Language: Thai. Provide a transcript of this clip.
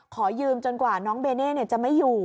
ขอยืมจนกว่าน้องเบเน่จะไม่อยู่